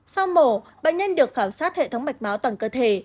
sau mổ bệnh nhân được khảo sát hệ thống mạch máu toàn cơ thể